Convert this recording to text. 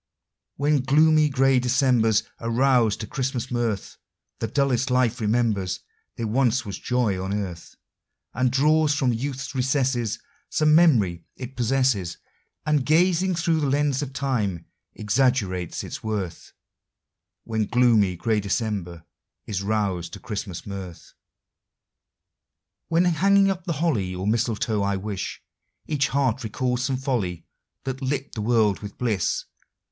When gloomy, gray Decembers are roused to Christmas mirth, The dullest life remembers there once was joy on earth, And draws from youth's recesses Some memory it possesses, And, gazing through the lens of time, exaggerates its worth, When gloomy, gray December is roused to Christmas mirth. When hanging up the holly or mistletoe, I wis Each heart recalls some folly that lit the world with bliss.